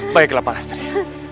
baiklah pak lestri